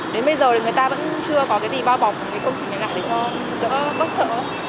đến bây giờ thì người ta vẫn chưa có gì bao bọc công trình này lại để cho đỡ bất sợ